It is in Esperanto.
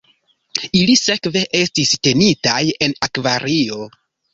Ili sekve estis tenitaj en akvario.